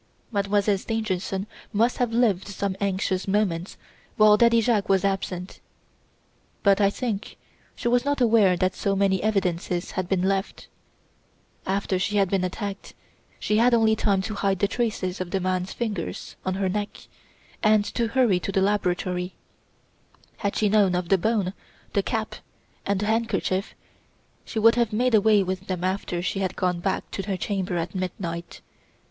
"Mademoiselle Stangerson must have lived some anxious moments while Daddy Jacques was absent; but I think she was not aware that so many evidences had been left. After she had been attacked she had only time to hide the traces of the man's fingers on her neck and to hurry to the laboratory. Had she known of the bone, the cap, and the handkerchief, she would have made away with them after she had gone back to her chamber at midnight.